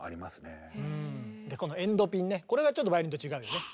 このエンドピンねこれがちょっとバイオリンと違うよね。